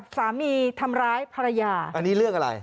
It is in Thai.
สามีทำร้ายภรรยาอันนี้เรื่องอะไร